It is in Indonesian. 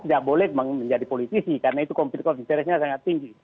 tidak boleh menjadi politisi karena itu konfliknya sangat tinggi